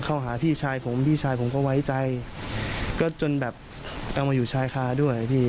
หาพี่ชายผมพี่ชายผมก็ไว้ใจก็จนแบบต้องมาอยู่ชายคาด้วยพี่